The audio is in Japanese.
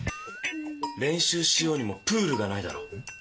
練習しようにもプールがないだろ。